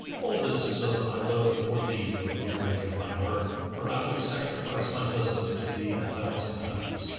All this is of my love for thee, O dearling of my heart, for I would sacrifice my husband to thee a thousand times.